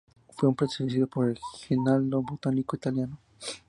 Fue precedido por el "Giornale Botanico Italiano".